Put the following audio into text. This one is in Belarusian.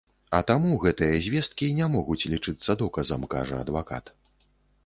А таму гэтыя звесткі не могуць лічыцца доказам, кажа адвакат.